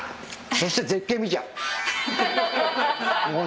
そして絶景見ちゃう。